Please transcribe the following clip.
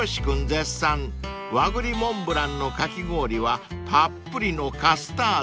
絶賛和栗モンブランのかき氷はたっぷりのカスタード